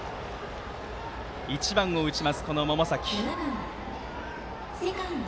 １番を打ちます、百崎。